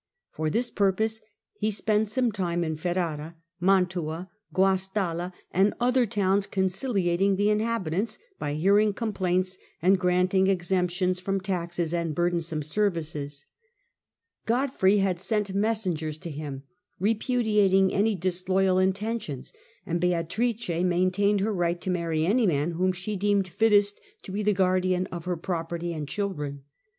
For iSy' this purpose he spent some time in Ferrara, Mantua, Guastalla, and other towns, conciliating the inhabitants by hearing complaints, and granting ex emptions from taxes and burdensome services. Godfrey had sent messengers to him, repudiating any disloyal intentions, and Beatrice maintained her right to marry any man whom she deemed fittest to be the guardian of her property and children.